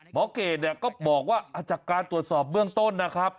หมอเกรจะก็บอกว่าการตรวจสอบเรื่องต้นนะครับ